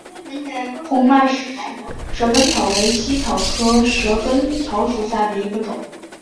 红脉蛇根草为茜草科蛇根草属下的一个种。